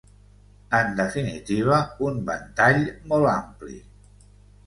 En definitiva, un ventall molt ampli.